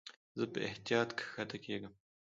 زه په احتیاط کښته کېږم.